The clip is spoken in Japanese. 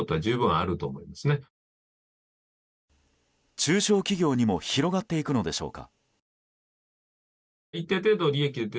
中小企業にも広がっていくのでしょうか。